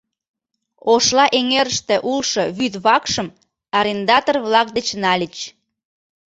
Ошла эҥерыште улшо вӱд вакшым арендатор-влак деч нальыч.